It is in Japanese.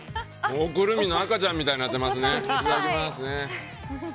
おくるみの赤ちゃんみたいになってますね。